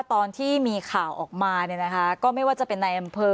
ตอนที่มีข่าวออกมาเนี่ยนะคะก็ไม่ว่าจะเป็นในอำเภอ